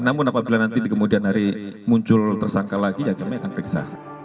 namun apabila nanti di kemudian hari muncul tersangka lagi ya kami akan periksa